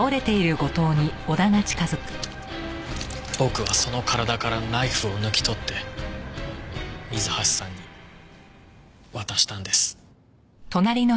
僕はその体からナイフを抜き取って水橋さんに渡したんです。